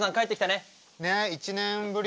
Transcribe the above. ねえ１年ぶり。